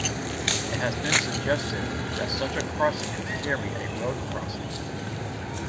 It has been suggested that such a crossing could carry a road crossing.